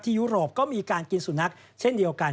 ยุโรปก็มีการกินสุนัขเช่นเดียวกัน